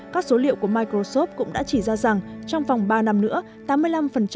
các số liệu của microsoft cũng đã chỉ ra rằng trong vòng ba năm nữa